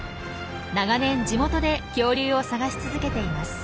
長年地元で恐竜を探し続けています。